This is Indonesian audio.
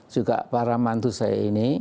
juga para mantu saya ini